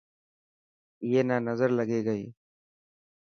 اي نا نظر لگي گئي.